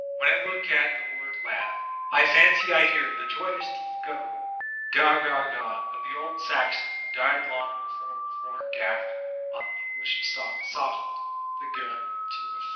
When I look at the word ''laugh,'' I fancy I hear the joyous deep gut tural "gha gha gha" of the old Saxon who died long be fore the foreign graft on the English stock softened the "gh" to an "f